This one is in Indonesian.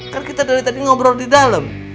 kan kita dari tadi ngobrol di dalam